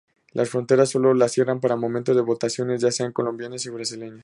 La frontera solo la cierran para momentos de votaciones ya sean colombianas o brasileñas.